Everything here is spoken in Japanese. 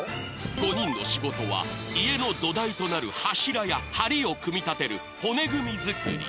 ５人の仕事は、家の土台となる柱やはりを組み立てる骨組み作り。